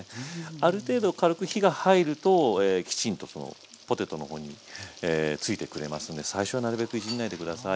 ある程度軽く火が入るときちんとポテトの方についてくれますので最初はなるべくいじんないで下さい。